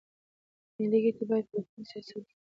ملي ګټې باید په بهرني سیاست کې د هر ډول معاملې سرې کرښې وي.